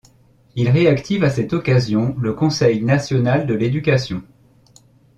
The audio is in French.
Il réactive à cette occasion le Conseil national de l'Éducation.